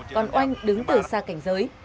còn oanh đứng từ xa cảnh giới